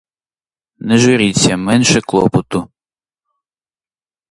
Не журіться, менше клопоту.